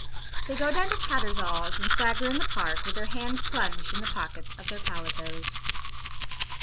They go down to Tattersall's, and swagger in the Park, with their hands plunged in the pockets of their paletots.